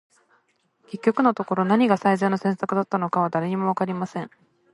•結局のところ、何が最善の選択だったのかは、誰にも分かりません。